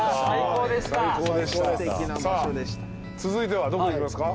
続いてはどこ行きますか？